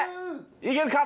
いけるか？